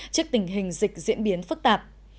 trước tình hình dịch diễn biến phức tạp